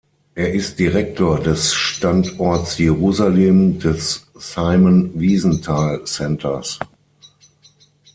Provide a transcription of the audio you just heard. Er ist Direktor des Standorts Jerusalem des Simon Wiesenthal Centers.